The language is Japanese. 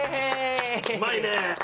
うまいね。